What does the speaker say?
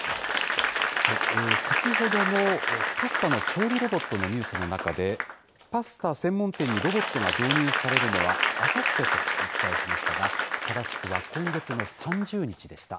先ほどのパスタの調理ロボットのニュースの中で、パスタ専門店にロボットが導入されるのはあさってとお伝えしましたが、正しくは今月の３０日でした。